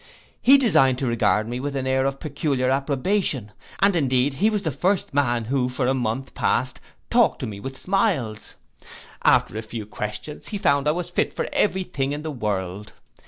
He deigned to regard me with an air of peculiar approbation, and indeed he was the first man who for a month past talked to me with smiles. After a few questions, he found I was fit for every thing in the world.